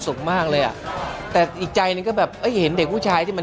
มากเลยอ่ะแต่อีกใจหนึ่งก็แบบเอ้ยเห็นเด็กผู้ชายที่มัน